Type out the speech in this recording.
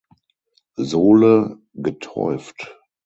Sohle geteuft.